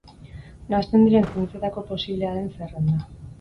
Nahasten diren zientzietako posiblea den zerrenda.